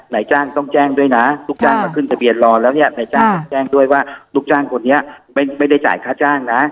ท่านรู้จักตัวแล้วก็ประแจนด้วยว่าลูกจ้างคนนี้ไม่ได้จ่ายค่าจ้างนะ